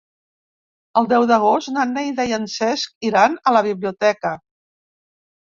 El deu d'agost na Neida i en Cesc iran a la biblioteca.